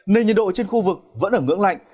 nên nhiệt độ trên khu vực vẫn ở ngưỡng lạnh